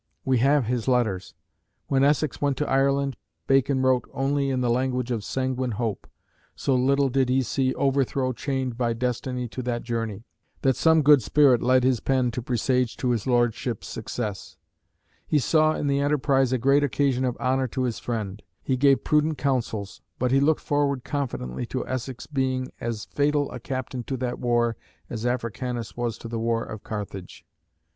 We have his letters. When Essex went to Ireland, Bacon wrote only in the language of sanguine hope so little did he see "overthrow chained by destiny to that journey," that "some good spirit led his pen to presage to his Lordship success;" he saw in the enterprise a great occasion of honour to his friend; he gave prudent counsels, but he looked forward confidently to Essex being as "fatal a captain to that war, as Africanus was to the war of Carthage."